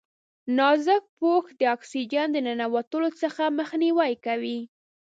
نازک پوښ د اکسیجن د ننوتلو څخه مخنیوی کوي.